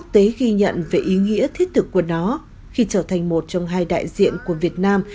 tế ghi nhận về ý nghĩa thiết thực của nó khi trở thành một trong hai đại diện của việt nam